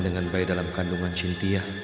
dengan bayi dalam kandungan sintia